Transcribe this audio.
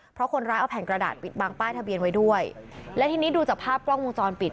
เพราะคนร้ายเอาแผ่นกระดาษปิดบังป้ายทะเบียนไว้ด้วยและทีนี้ดูจากภาพกล้องวงจรปิด